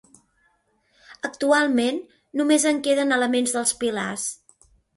Actualment només en queden elements dels pilars.